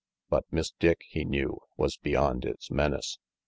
But Miss Dick, he knew, was beyond its menace.